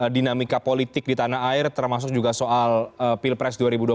dinamika politik di tanah air termasuk juga soal pilpres dua ribu dua puluh